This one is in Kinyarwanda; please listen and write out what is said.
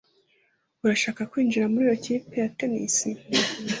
Urashaka kwinjira muri iyo kipe ya tennis